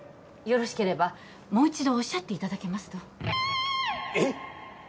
よろしければもう一度おっしゃっていただけますとえっ？